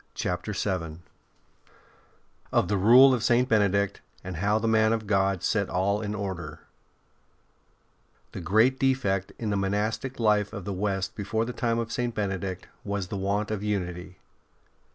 CHAPTER VII OF THE RULE OF SAINT BENEDICT, AND HOW THE MAN OF GOD SET ALL IN ORDER The great defect in the monastic life of the West before the time of St. Benedict was the want of unity.